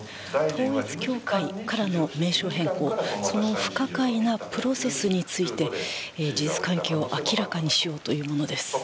統一教会からの名称変更、その不可解なプロセスについて事実関係を明らかにしようというものです。